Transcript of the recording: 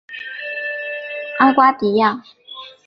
阿瓜迪亚。